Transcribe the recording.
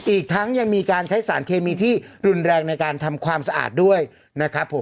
อีกทั้งยังมีการใช้สารเคมีที่รุนแรงในการทำความสะอาดด้วยนะครับผม